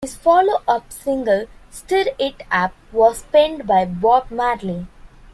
His follow-up single "Stir It Up" was penned by Bob Marley.